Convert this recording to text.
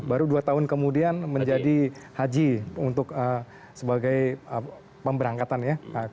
baru dua tahun kemudian menjadi haji untuk sebagai pemberangkatan ya